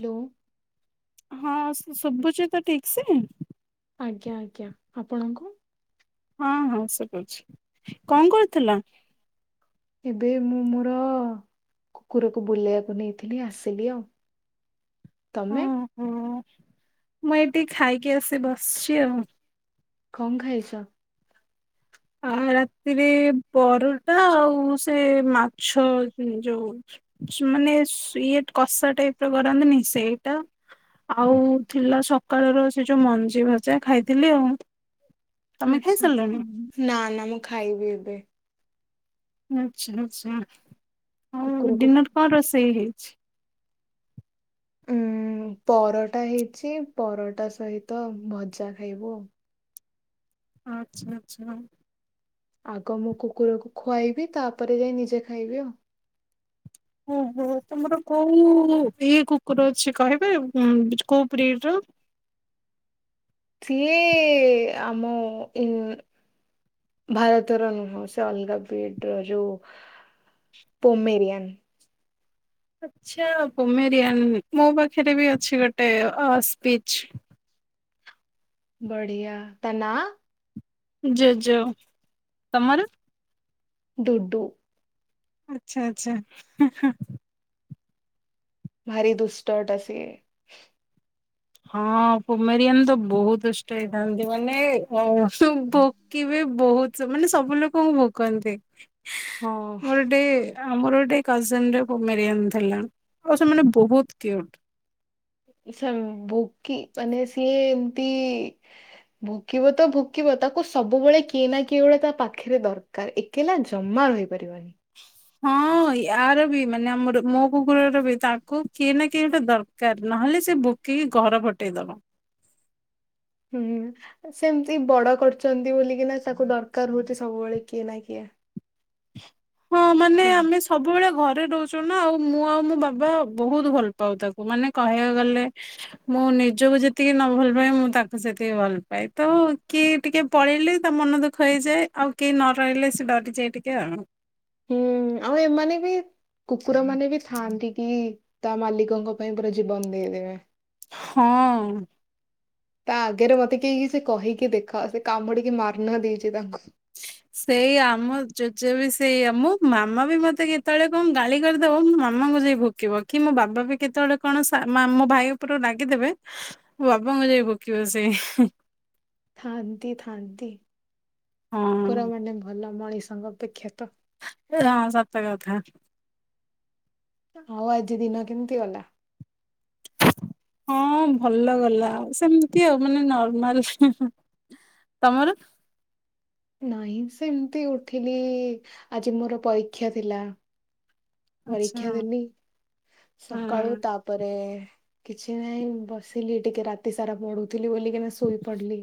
Hello. ହଁ ସଭୁଛି ତ ଠିକ ସେ? ଆଜ୍ଞା ଆଜ୍ଞା ଆପଣଙ୍କୁ? ହଁ ହଁ ସେଠ ଅଛି କଣ କରୁଥିଲା? ଏବେ ମୁଁ ମୋର କୁକୁରକୁ ବୁଲେଇବାକୁ ନେଇଥିଲି ଆସିଲି ଆଉ। ତମେ? ଓହୋ ମୁଁ ଏଠିକି ଖାଇକି ଆସି ବସିଛି ଆଉ। କଣ ଖାଇଛ? ଆ ରାତିରେ ପରଟା ଆଉ ସେ ମାଛ ଯୋଉ ମାନେ ଇଏ କଷା ଟାଇପ ର କରାନ୍ତିନି ସେଇଟା ଆଉ ଥିଲା ସକାଳର ସେ ଯୋଉ ମଞ୍ଜି ଭଜା ଖାଇଥିଲି ଆଉ। ତମେ ଆଛା ଖାଇସାରିଲଣି? ନା ନା। ମୁ ମୁଁ ଖାଇବି ଏବେ। ଆଛା ଆଛା। ଆଉ କୁକୁରକୁ ଡିନର୍ କଣ ରୋଷେଇ ହେଇ? ଛି ଉଁ ପରଟା ହେଇଛି ପରଟା ସହିତ ଭଜା ଖାଇବୁ ଆଉ। ଆଚ୍ଛା ଆଚ୍ଛା। ଆଗ ମୁଁ କୁକୁରକୁ ଖୁଆଇବି ତାପରେ ଯାଇ ନିଜେ ଖାଇବି ଆଉ। ଓହୋ ତମର କୋଉ ଇଏ କୁକୁର ଅଛି କହିବେ ଉଁ କୋଉ ବ୍ରିଡ ର? ସିଏ ଆମ ଉଁ ଭାରତର ନୁହଁ ସେ ଅଲଗା ବିଡ ର ଯୋଉ ପୋମେରିୟାନ। ଆଚ୍ଛା ପୋମେରିୟାନ ମୋ ପାଖରେ ବି ଅଛି ଗୋଟେ ଅ ସ୍ପିଚ। ବଢିଆ ତା ନାଁ? ଜେଜୋ ତମର? ଡୁଡୁ। ଆଚ୍ଛା ଆଚ୍ଛା। ଭାରି ଦୁଷ୍ଟଟା ସିଏ। ହଁ ପୋମେରିୟାନ ତ ବହୁତ ଦୁଷ୍ଟ ହେଇଥାନ୍ତି ମାନେ ଅ ସୁ ଭୋକିବେ ବହୁତ ମାନେ ସବୁ ଲୋକଙ୍କୁ ଭୋକନ୍ତି। ହଁ। ମୋର ଗୋଟେ ଆମର ଗୋଟେ କଜ୍ଜନ ର ପୋମେରିୟାନ ଥିଲା ଆଉ ସେମାନେ ବହୁତ କ୍ୟୁଟ। ସେ ଭୋକି ମାନେ ସିଏ ଏମିତି ଭୋକିବ ତ ଭୋକିବ ତାକୁ ସବୁବେଳେ କିଏ ନା କିଏ ଗୋଟେ ତା ପାଖରେ ଦରକାର ଏକେଲା ଜମା ରହିପାରିବନି। ହଁ ୟାର ବି ମାନେ ଆମର ମୋ କୁକୁରର ବି ତାଙ୍କୁ କିଏ ନା କିଏ ଗୋଟେ ଦରକାର ନହେଲେ ସେ ଭୋକିକି ଘର ଫଟେଇଦବ। ହୁଁ ସେମିତି ବଡ କରୁଛନ୍ତି ବୋଲିକିନା ତାକୁ ଦରକାର ହଉଛି ସବୁବେଳେ କିଏ ନା କିଏ। ହଁ ମାନେ ହଁ। ଆମେ ସବୁବେଳେ ଘରେ ରହୂଚୁ ନା ଆଉ ମୁଁ ଆଉ ମୋ ବାବା ବହୁତ ଭଲ ପାଉ ତାକୁ ମାନେ କହିଆକୁ ଗଲେ ମୁଁ ନିଜକୁ ଯେତିକି ନ ଭଲ ପାଏ ମୁଁ ତାକୁ ସେତିକି ଭଲ ପାଏ। ତ କିଏ ଟିକେ ପଳେଇଲେ ତା ମନ ଦୁଃଖ ହେଇଯାଏ ଆଉ କେଇ ନ ରହିଲେ ସେ ଡରିଯାଏ ଟି କେ ଆଉ। ହୁଁ ଆଉ ଏମାନେ ବି କୁକୁର ମାନେ ବି ଥାଆନ୍ତି କି ତା ମାଲିକଙ୍କ ପାଇଁ ପୁରା ଜୀବନ ଦେଇଦେବେ। ହଁ। ତା ଆଗରେ ମତେ କେହି କିଛି କହିକି ଦେଖ ସେ କାମୁଡିକି ମାରି ନ ଦେଇଛି ତାଙ୍କୁ। ସେଇ ଆମ ଜୋଜୋ ବି ସେଇଆ ମୋ ମାମା ବି ମତେ କେତେବେଳେ କଣ ଗାଳି କରିଦବ ମୋ ମାମାଙ୍କୁ ଯାଇ ଭୋକିବ କି ମୋ ବାବା ବି କେତେବେଳେ କଣ ସା ମା ମୋ ଭାଇ ଉପରୁ ରାଗିଦେବେ ମୋ ବାବାଙ୍କୁ ଯାଇ ଭୋକିବ ସେ ହୁଁ। ଥାଆନ୍ତି ଥାଆନ୍ତି ହଁ କୁକୁର ମାନେ ଭଲ ମଣିଷ। ତାଙ୍କ ଅପେକ୍ଷା ତ। ହଁ ସତ କଥା। ଆଉ ଆଜି ଦିନ କେମିତି ଗଲା? ହଁ ଭଲ ଗଲା ଆଉ ସେମିତି ଆଉ ମାନେ ନର୍ମାଲ। ତମର? ନାହିଁ ସେମିତି ଉଠିଲି ଆଜି ମୋର ପରୀକ୍ଷା ଥିଲା। ଆଚ୍ଛା ପରୀକ୍ଷା ଦେଲିି ସକାଳୁ ହଁ ତାପରେ କିଛି ନାଇଁ ବସିଲି ଟିକେ ରାତି ସାରା ପଢୁଥିଲି ବୋଲିକିନା ଶୋଇ ପଡିଲି।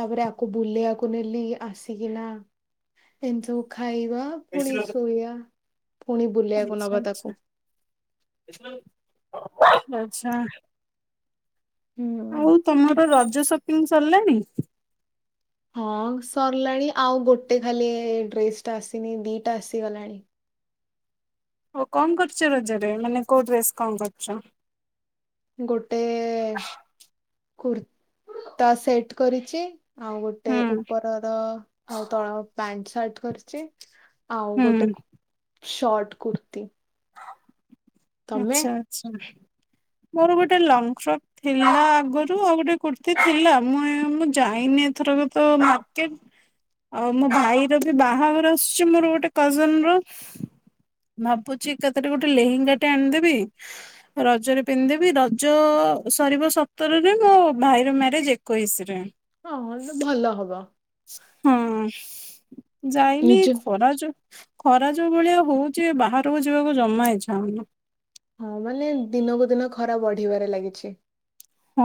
ତାପରେ ଆକୁ ବୁଲେଇଆକୁ ନେଲି ଆସିକିନା ଏମିତି ସବୁ ଖା ଖାଇବା ପୁଣି ଶୋଇଆ ପୁଣି ବୁଲିଆକୁ ଆଚ୍ଛା ନବା ଆଚ୍ଛା ତାକୁ। ଆଚ୍ଛା। ହୁଁ। ଆଉ ତମର ରଜ ସପିଂ ସରିଲାଣିି? ହଁ ସରିଲାଣି ଆଉ ଗୋଟେ ଖାଲି ଡ୍ରେସ ଟା ଆସିନି ଦିଟା ଆସିଗଲାଣି। ଓଉ କଣ କରୁଛ ରଜ ରେ ମାନେ କୋଉ ଡ୍ରେସ୍ କଣ କରୁଛ? ଗୋଟେ କୁର୍ତା ସେଟ କରିଛି ଆଉ ଗୋଟେ ହୁଁ ଉପରର ଆଉ ତଳ ପ୍ୟାଣ୍ଟ ସାର୍ଟ କରିଚି ।ଆଉ ହୁଁ ଗୋଟେ ସଟ୍ କୁର୍ତି । ଆଛା ଆଛା। ମୋର ଗୋଟେ ଲଙ୍ଗ ଫ୍ରକ୍ ଥିଲା ଆଗରୁ ଆଉ ଗୋଟେ କୁର୍ତି ଥିଲା ମୁଁ ମୁଁ ଯାଇନି ଏଥରକ ତ ମାର୍କେଟ୍, ଆଉ ମୋ ଭାଇ ର ବି ବାହଘର ଆସୁଛି ମୋର ଗୋଟେ କଜନ ର ଭାବୁ ଚି କେତୋଟି ଗୋଟେ ଲେହେଙ୍ଗା ଟେ ଆଣିଦେବି ରଜରେ ପିନ୍ଧିଦେବି ରଜ ସରିବ ସତରରେ ମୋ ଭାଇର ମ୍ୟାରେଜ ଏକୋଇଶି ରେ । ହଁ ଭଲ ହବ ହଁ ଯାଇନି ନିଜ ଖରା ଯୋଉ ଖରା ଯୋଉ ଭଳିଆ ହଉଛି ବାହାରକୁ ଯିବାକୁ ଜମା ଇଛା ହଉନି। ହଁ ମାନେ ଦିନକୁ ଦିନ ଖରା ବଢିବାରେ ଲାଗିଛି। ହଁ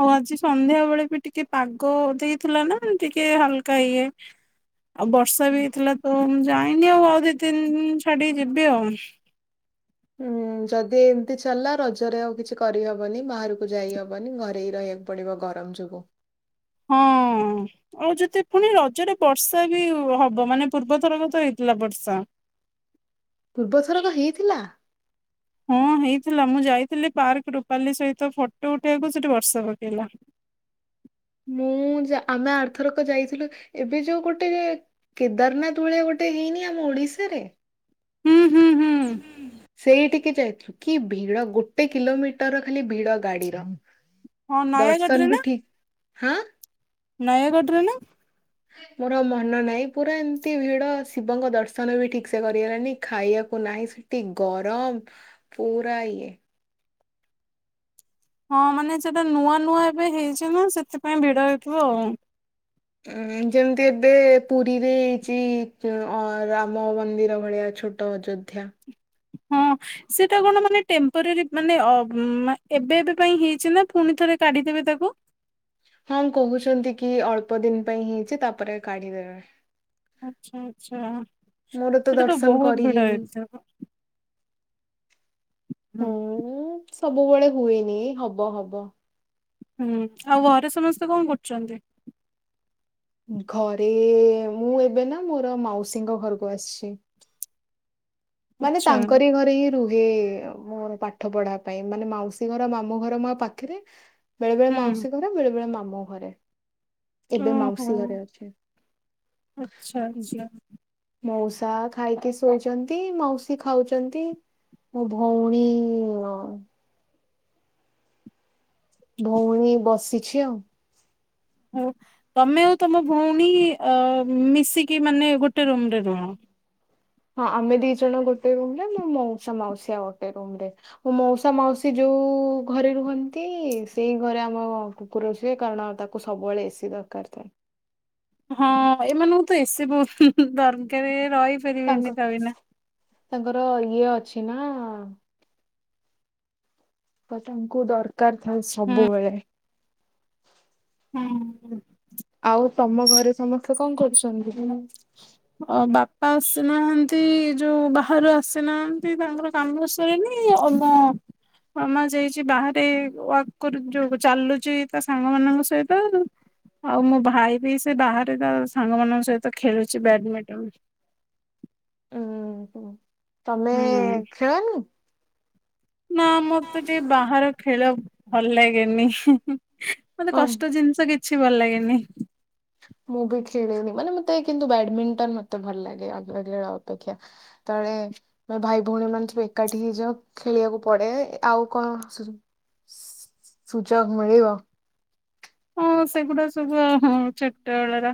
ଆଉ ଆଜି ସନ୍ଧ୍ୟା ବେଳେ ବି ଟିକେ ପାଗ ଦେଇଥିଲା ନା ଟିକେ ହାଲକା ଇଏ ଆଉ ବର୍ଷା ବି ହେଇ ଥିଲା ତ ମୁ ଯା ଯାଇନି ଆଉ ଆଉ ଦି ତିନ ଦିନ ଛାଡିକି ଯିବି ଆଉ। ହୁଁ ଯଦି ଏମତି ଚାଲିଲା ରଜରେ ଆଉ କିଛି କରିହବନି ବାହାରକୁ ଯାଇହବନି ଘରେ ରହିବାକୁ ପଡିବ ଗରମ ଯୋଗୁ । ହଁ ଆଉ ଯଦି ପୁଣି ରଜରେ ବର୍ଷା ବି ହବ ମାନେ ପୂର୍ବଥରକ ତ ହେଇଥିଲା ବର୍ଷା। ପୂର୍ବଥର କ ହେଇଥିଲା ହଁ ହେଇଥିଲା ମୁଁ ଯାଇଥିଲି ପାର୍କ ରୁପାଲି ସହିତ ଫଟୋ ଉଠେଇବାକୁ ସେଠି ବର୍ଷ ପକେଇଲା। ମୁଁ ଆମେ ଆରଥରକ ଯାଇଥିଲୁ ଏବେ ଯୋଉ ଗୋଟେ କେଦାରନାଥ ଭଳିଆ ଗୋଟେ ହେଇନି ଆମ ଓଡିଶାରେ ହୁଁ ହୁଁ ହୁଁ ସେଇଠିକେ ଯାଇଥିଲୁ କି ଭିଡ ଗୋଟେ କିଲୋମିଟର ଖାଲି ଭିଡ ଗାଡିର ହଁ ଦର୍ଶନ ନୟାଗଡ଼ରେେ ବି ନା ଠିକ ହଁ ନୟଗଡ ରେ ନା ମୋର ମନ ନାହିଁ ପୁରା ଏମିତି ଭିଡ ଶିବଙ୍କ ଦର୍ଶନ ବି ଠିକ ସେ କରିଗଲାଣିି ଖାଇବାକୁ ନାହିଁ ସେଠି ଗରମ ପୁରା ଇଏ ହଁ ମାନେ ସେଟା ନୂଆ ନୂଆ ଏବେ ହେଇଛି ନା ସେଥିପାଇଁ ଭିଡ ହେଇଥିବ ଆଉ। ଉଁ ଯେମିତି ଏବେ ପୁରୀରେ ହେଇଛି ରାମ ମନ୍ଦିର ଭଳିଆ ଛୋଟ ଅ କଠ ହଁ ସେଟା କଣ ମାନେ ଟେମ୍ପୋରାରୀ ମାନେ ଏବେ ଏବେ ପାଇଁ ହେଇଛି ନା ପୁଣି ଥରେ କାଢିଦେବେ ତାକୁ ହଁ କହୁଛନ୍ତି କି ଅଳ୍ପ ଦିନ ପାଇଁ ହେଇଛି ତାପରେ କାଢିଦବେ। ଆଚଛା ଆଚଛା। ମୋର ତ ସେଟା ତୁ ଦର୍ଶନ ବହୁତ କରି ଭିଡ ହେଇନି ହେଇଥିବ। ହୁଁ ସବୁବେଳେ ହୁଏନି ହବ ହବ ହୁଁ ଆଉ ଘରେ ସମସ୍ତେ କଣ କରୁଛନ୍ତି? ଘରେ ମୁଁ ଏବେ ନା ମୋର ମାଉସୀଙ୍କ ଘରକୁ ଆସିଛି। ମାନେ ଆଚ୍ଛା ତାଙ୍କରି ଘରେ ହିଁ ରୁହେ ମୋର ପାଠ ପଢା ପାଇଁ ମାନେ ମାଉସୀ ଘର ମାମୁଁ ଘର ମା ପାଖରେ ବେଳେ ବେଳେ ହୁଁ ମାଉସୀ ଘରେ ବେଳେ ବଳେ ମାମୁଁ ଘରେ ଏବେ ଓହୋ ମାଉସୀ ଘରେ ଅଛେ ଆଚ୍ଛା ତି ଆଚ୍ଛା ମାଉସୀ ଖାଇକି ଶୋଇଛନ୍ତି। ମାଉସୀ ଖାଉଛନ୍ତି ମୋ ଭଉଣୀ ଭଉଣୀ ବସିଛି ଆଉ। ହଉ ତମେ ଆଉ ତମ ଭଉଣୀ ମିଶିକି ମାନେ ଗୋଟେ ରୁମରେ ରୁହ। ହଁ ଆମେ ଦି ଜଣ ଗୋଟେ ରୁମରେ ମୋ ମାଉସା ମାଉସୀଆ ଗୋଟେ ରୁମରେ ମାଉସା ମାଉସୀ ଯୋଉ ଘରେ ରୁହନ୍ତି ସେଇ ଘରେ ଆମ କୁକୁର ସୁଏ କାରଣ ତାକୁ ସବୁବେଳେ ଏ ସି ଦରକାର ଥାଏ। ହଁ ଏମାନଙ୍କୁ ତ ଏ ସି ବହୁତ ଦରକାରେ। ରହି ତାଙ୍କ ଫାରିବେନି ତା ବିନା। ତାଙ୍କର ଇଏ ଅଛି ନା ପସନ କୁଦର୍ କାରଥାନ୍ ହୁଁ ସବୁବେଳେ ହୁଁ। ଆଉ ତମ ଘରେ ସମସ୍ତେ କଣ କରୁଛନ୍ତି। ବାପା ଆସିନାହାନ୍ତି ଯୋଉ ବାହାରୁ ଆସିନାହାନ୍ତି ତାଙ୍କର କାମ ସରିନି ଆ ମୋ ମାମା ଯାଇଛି ବାହାରେ ୱର୍କ ଯୋଉ ଚାଲୁଛି ତା ସାଙ୍ଗ ମାନଙ୍କ ସହିତ ଆଉ ମୋ ଭାଇ ବି ସେ ବାହାରେ ତା ସାଙ୍ଗ ମାନଙ୍କ ସହିତ ଖେଳୁଛି। ବ୍ୟାଡମିଣ୍ଟନ। ହୁଁ ହ। ତମେ ହୁଁ ଖେଳନି। ନା ମତେ ଟିକେ ବାହାର ଖେଳ ଭଲ ଲାଗେନି। ମତେ ହଁ କଷ୍ଟ ଜିନିଷ କି କିଛି ଭଲ ଲାଗେନି। ମୁଁ ବି ଖେଳିନି ମାନେ ମତେ କିନ୍ତୁ ବ୍ୟାଡମିଣ୍ଟନ ମତେ ଭଲ ଲାଗେ ଅନ୍ୟ ଖେଳ ଅପେକ୍ଷା ଯେତେବେଳେ ମୋ ଭାଇ ଭଉଣୀ ମାନେ ସବୁ ଏକାଠି ହେଇଯାଉ ଖେଳିବାକୁ ପଡେ ଆଉ କଣ ସୁ ସୁଯୋଗ ମିଳିବ। ହଁ ସେଗୁଡା ସବୁ ଛୋଟ ବଳର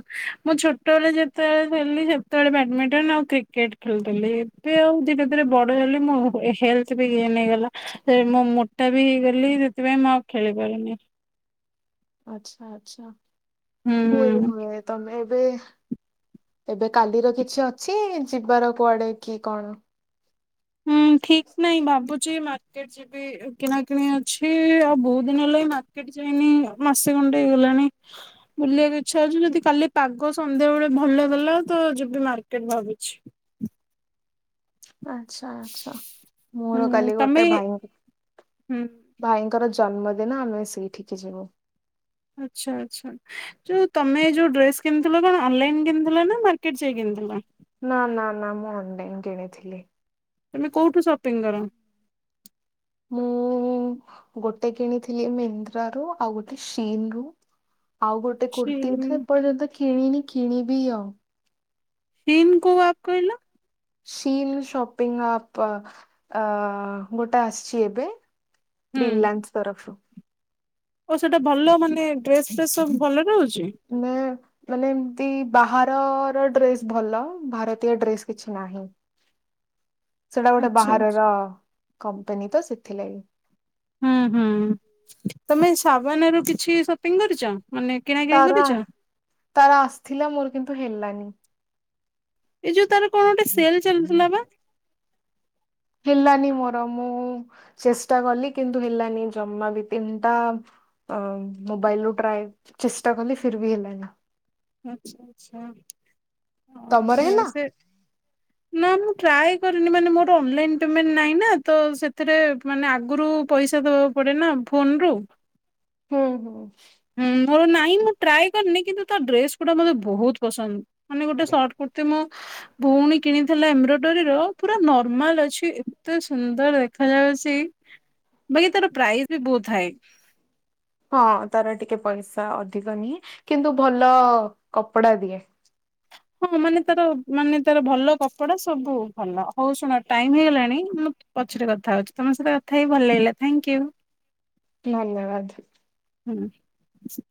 ମୁଁ ଛୋଟବେଳେ ଯେତେବେଳେ ଥେଲି ସେତେବେଳେ ବ୍ୟାଡମିଣ୍ଟନ ଆଉ କ୍ରିକେଟ ଖେଳୁଥିଲି ଏବେ ଆଉ ଧୀରେ ଧୀରେ ବଡ ହେଲି ମୋ ହେଲଥ୍ ବି ଗେନ ହେଇଗଲା ମୋ ମୋଟା ବି ହେଇଗଲି ସେଥିପାଇଁ ମୁଁ ଆଉ ଖେଳି ପାରୁନି। ଆଛା ଆଚ୍ଛା। ହୁଁ। ହୁଏ ହୁଏ ତମେ ଏବେ ଏବେ କାଲିର କିଛି ଅଛି ଯିବାର କୁଆଡେ କି କଣ? ହୁଁ ଠିକ୍ ନାଇଁ ଭାବୁ ଚି ମାର୍କେଟ ଯିବି କିଣାକ ଅଛି ଆଉ ବହୁତ ଦିନ ହେଲା ମାର୍କେଟ ଯାଇନି ମାସେ ଖଣ୍ଡେ ହେଇଗଲାଣି ବୁଲିବାକୁ ଇଚ୍ଛା ହଉଛି ଯଦି କାଲି ପାଗ ସନ୍ଧ୍ୟାବେଳେ ଭଲ କଲା ତ ଯିବ ମାର୍କେଟ ଭାବୁଛି। ଆଚ୍ଛା ଆଚ୍ଛା ମୋର ହୁଁ କାଲି ତମେ ଗୋଟେ ଭାଇଙ୍କ ହୁଁ ଭାଇ ଙ୍କର ଜନ୍ମଦିନ ଆମେ ସେଇଠିକି ଯିବୁ‌। ଆଚ୍ଛା ଆଚ୍ଛା ଯେଉଁ ତମେ ଯେଉ ଡ୍ରେସ୍ କିଣିଥିଲ କଣ ଅନଲାଇନ୍ କିଣିଥିଲ ନା ମାର୍କେଟ ଯାଇ କିଣିଥିଲ। ନା ନା ନା ମୁଁ ଅନ୍ ଲାଇନ କିଣିଥିଲି। ତମେ କୋଉଠୁ ସପିଂ କର? ମୁଁ ଗୋଟେ କିଣିଥିଲି ମିଂତ୍ରା ରୁ ଆଉ ଗୋଟେ ସିନ୍ ରୁ ଆଉ ଗୋଟେ କୁର୍ତ୍ତିୀ ଏପର୍ଯ୍ୟନ୍ତ କିଣିନି। ଖିଣିବି ଆଉ। ସିନ୍ କଉ ଆପ୍ କହିଲ? ସିନ୍ ସପିଂ ଆପ ଗୋଟେ ଆସିଛି ଏବେ। ହୁଁ ରିଲାଏନ୍ସ ତରଫରୁ। ଓ ସେଟା ଭଲ ମାନେ ଡ୍ରେସ ଫେସ୍ ସବୁ ଭଲରେ ରହୁଛି। ନା ମାନେ ଏମତି ବାହାରର ଡ୍ରେସ୍ ଭଲ ଭାରତୀୟ ଡ୍ରେସ କିଛି ନାହିଁ। ସେଟା ଗୋଟେ ଆଚ୍ଛା ଆଚ୍ଛା ବାହାରର କମ୍ପାନୀ ତ ସେ ସେଥିଲାଗି। ହୁଁ ହୁଁ ତମେ ସାବନା ରୁ କିଛି ସପିଂ କରିଛ? ମାନେ କିଣା କିିଣି ତାରା କରିଛ? ତାରା ଆସିଥିଲା ମୋର କିନ୍ତୁ ହେଲାନି। ଏଇ ଯୋଉ ତାର କଣ ଗୋଟେ ସେଲ ଚାଲିଥିଲା ବା? ହେଲାନି ମୋର ମୁଁ ଚେଷ୍ଟା କଲି କିନ୍ତୁ ହେଲାନି ଜମା ବି ତିନିଟା ମୋବାଇଲରୁ ଟ୍ରାଏ ଚେଷ୍ଟା କଲି ଫିର ବି ହେଲାନି। ଆଛା ଆଛା। କଣ ତମର ହେଲା? ସେ-ସେ ନା ମୁଁ ଟ୍ରାଏ କରିନି ମାନେ ମୋର ଅନ୍ ଲାଇନପେମେଣ୍ଟ ନାଇଁ ନା ତ ସେଥିରେ ଆଗରୁ ପଇସା ଦବାକୁ ପଡେ ନା ଫୋନ୍ ରୁ। ହୁଁ ହୁଁ ହୁଁ ମୋର ନାଇଁମ ଟ୍ରାଏ କରିନି କିନ୍ତୁ ତା ଡ୍ରେସ ଗୁଡା ମୋତେ ବହୁତ ପସନ୍ଦ। ମାନେ ଗୋଟେ ସର୍ଟ କୁର୍ତ୍ତୀ ମୁଁ ଭଉଣୀ କିଣିଥିଲା ଏମ୍ବ୍ରୋଡୋରୀ ର ପୁରା ନର୍ମାଲ ଅଛି ଏତେ ସୁନ୍ଦର ଦେଖାଯାଉଛି। ବାକି ତାର ପ୍ରାଇସ୍ ବି ବହୁତ ଥାଏ। ହଁ ତାର ଟିକେ ପଇସା ଅଧିକ ନିହଁ କିନ୍ତୁ ଭଲ କପଡା ଦିଏ। ହଁ ମାନେ ତାର ମାନେ ତାର ଭଲ କପଡା ସବୁ ଭଲ ହଉ ଶୁଣ ଟାଇମ ହେଇଗଲାଣି ମୁଁ ପଛରେ କଥା ହଉଛି ତମ ସହିତ କଥା ହେଇି ଭଲ ଲାଗିଲା ଥାଙ୍କିୟୁ । ଧନ୍ୟବାଦ। ହୁଁ